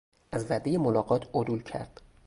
از وعدهی ملاقات عدول کرد.